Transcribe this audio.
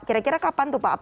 kira kira kapan tuh pak